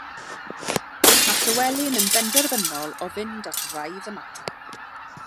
Mae Llywelyn yn benderfynol o fynd at wraidd y mater.